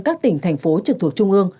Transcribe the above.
các tỉnh thành phố trực thuộc trung ương